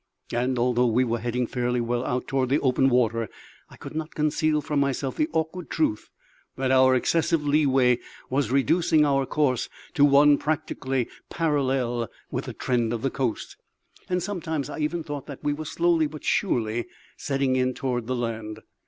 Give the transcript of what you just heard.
And although we were heading fairly well out toward the open water, I could not conceal from myself the awkward truth that our excessive leeway was reducing our course to one practically parallel with the trend of the coast; and sometimes I even thought that we were slowly but surely setting in toward the land.